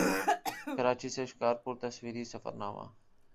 کراچی سے شکارپور تصویری سفرنامہ